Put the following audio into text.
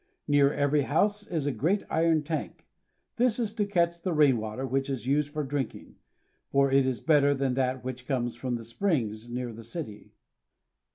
Near every house is a great iron tank. This is to catch the rain water which is used for drinking, for it is better than that which comes from the springs near the city.